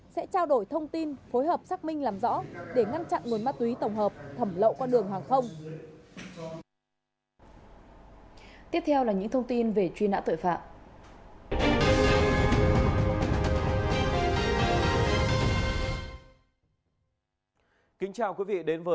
sẽ trao đổi thông tin phối hợp xác minh làm rõ để ngăn chặn nguồn ma túy tổng hợp thẩm lậu qua đường hàng không